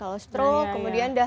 kalau stroke kemudian udah